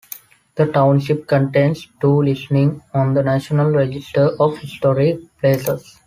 The township contains two listings on the National Register of Historic Places.